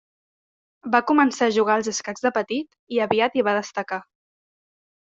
Va començar a jugar als escacs de petit i aviat hi va destacar.